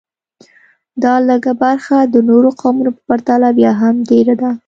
دا لږه برخه د نورو قومونو په پرتله بیا هم ډېره ده